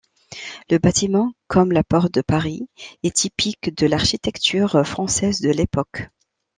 Le bâtiment, comme la porte de Paris, est typique de l'architecture française de l'époque.